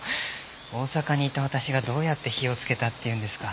大阪にいた私がどうやって火をつけたっていうんですか？